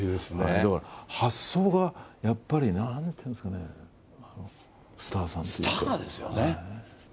だから、発想がやっぱり、なんか、スターさんですよね。